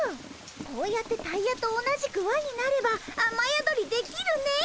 こうやってタイヤと同じくわになればあまやどりできるねえ。